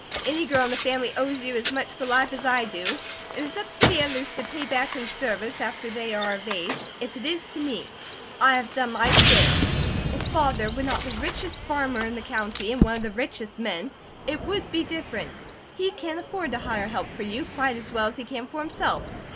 Any girl in the family owes you as much for life as I do; it is up to the others to pay back in service, after they are of age, if it is to me. I have done my share. If Father were not the richest farmer in the county, and one of the richest men, it would be different. He can afford to hire help for you, quite as well as he can for himself."